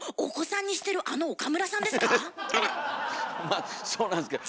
まあそうなんですけど。